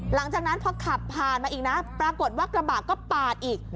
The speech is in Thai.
หลังจากนั้นพอขับผ่านมาอีกนะปรากฏว่ากระบะก็ปาดอีก